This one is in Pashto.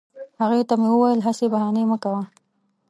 هغې ته مې وویل هسي بهانې مه کوه